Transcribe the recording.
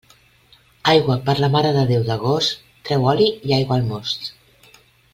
Aigua per la Mare de Déu d'agost, treu oli i aigua al most.